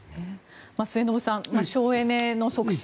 末延さん、省エネの促進